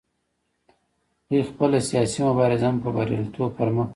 دوی خپله سیاسي مبارزه هم په بریالیتوب پر مخ وړي